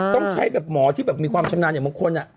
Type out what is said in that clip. ต้องใช้แบบหมอที่แบบมีความชำนาญอย่างบางคน